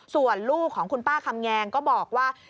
ส่วนลูกของคุณป้าคำแงงก็บอกว่า